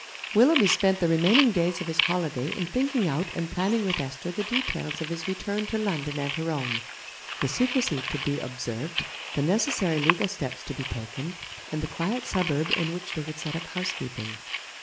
Willoughby spent the remaining days of his holiday in thinking out and planning with Esther the details of his return to London and her own, the secrecy to be observed, the necessary legal steps to be taken, and the quiet suburb in which they would set up housekeeping.